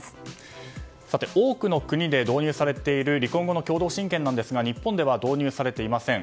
多くの国で導入されている離婚後の共同親権ですが日本では導入されていません。